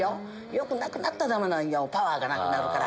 欲なくなったらダメパワーがなくなるから。